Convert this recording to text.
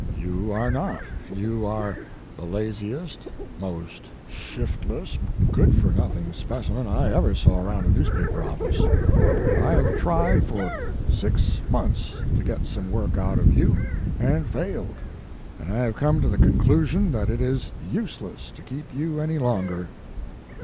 "You are not. You are the laziest, most shiftless, good for nothing specimen I ever saw around a newspaper office. I have tried for six months to get some work out of you and failed, and I have come to the conclusion that it is useless to keep you any longer."